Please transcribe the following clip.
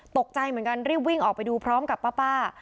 ตกใจเหมือนกันรีบวิ่งออกไปดูพร้อมกับป้า